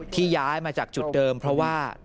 ย้ายมาจากจุดเดิมเพราะว่า